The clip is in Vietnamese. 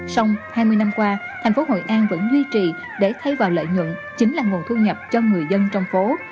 xong hai mươi năm qua thành phố hội an vẫn duy trì để thay vào lợi nhuận chính là nguồn thu nhập cho người dân trong phố